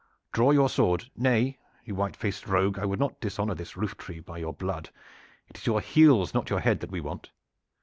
Draw your sword! Nay, you white faced rogue, I would not dishonor this roof tree by your blood. It is your heels, not your head, that we want.